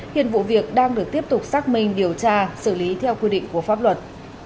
hiện vụ việc đang được tiếp tục xác minh điều tra xử lý theo quy định của pháp luật